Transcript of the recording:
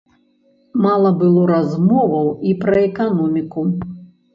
Мала было размоваў і пра эканоміку.